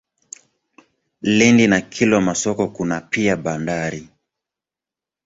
Lindi na Kilwa Masoko kuna pia bandari.